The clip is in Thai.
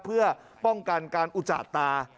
เพื่อป้องกันการอุจจาตา